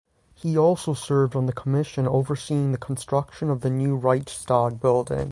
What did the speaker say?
He also served on the commission overseeing the construction of the new Reichstag building.